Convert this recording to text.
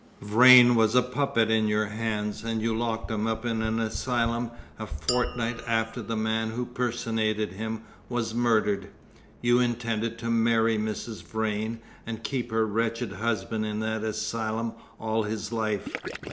Vrain was a puppet in your hands, and you locked him up in an asylum a fortnight after the man who personated him was murdered. You intended to marry Mrs. Vrain and keep her wretched husband in that asylum all his life."